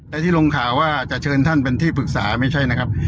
แต่ที่ลงข่าวว่าจะเชิญท่านเป็นที่ปรึกษาไม่ใช่นะครับ